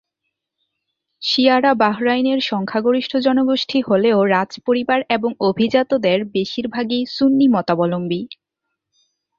শিয়ারা বাহরাইনের সংখ্যাগরিষ্ঠ জনগোষ্ঠী হলেও রাজপরিবার এবং অভিজাতদের বেশিরভাগই সুন্নি মতাবলম্বী।